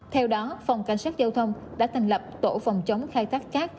theo đó phòng cảnh sát giao thông đã thành lập tổ phòng chống khai thác cát